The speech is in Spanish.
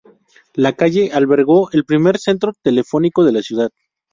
La calle albergó el primer centro telefónico de la ciudad.